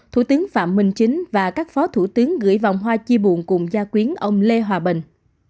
thủ tướng phạm minh chính và các phó thủ tướng gửi vòng hoa chia buồn cùng gia quyến ông lê hòa bình